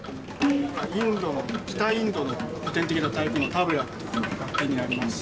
インドの、北インドの古典的な太鼓のタブラという楽器になります。